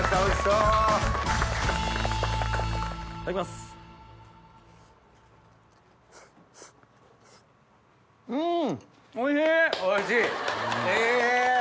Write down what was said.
うん！